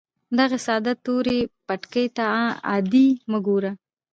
دغې ساده تورې بتکې ته عادي مه ګوره